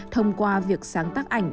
thông qua việc sáng tác ảnh